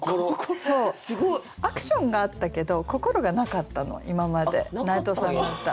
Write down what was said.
アクションがあったけど「心」がなかったの今まで内藤さんの歌。